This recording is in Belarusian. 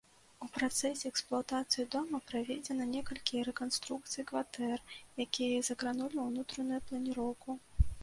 У працэсе эксплуатацыі дома праведзена некалькі рэканструкцый кватэр, якія закранулі ўнутраную планіроўку.